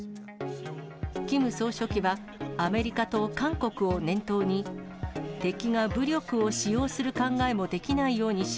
キム総書記はアメリカと韓国を念頭に、敵が武力を使用する考えもできないようにし、